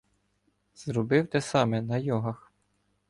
Зробив те саме на йогах.